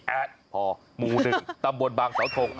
แอ๊ะพอหมูหนึ่งตำบวนบางสาวโทง